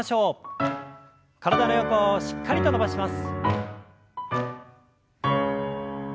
体の横をしっかりと伸ばします。